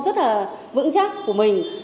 rất là vững chắc của mình